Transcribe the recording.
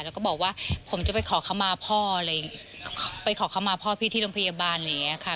แล้วก็บอกว่าผมจะไปขอขมาพ่อพี่ที่โรงพยาบาลอะไรอย่างนี้ค่ะ